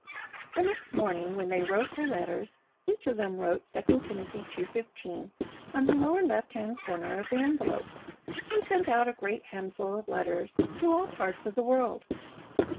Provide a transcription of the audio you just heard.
The next morning when they wrote their letters each of them wrote 'II Timothy ii:15' on the lower left hand corner of the envelope, and sent out a great handful of letters to all parts of the world.